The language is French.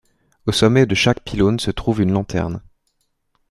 Au sommet de chaque pylône se trouve une lanterne.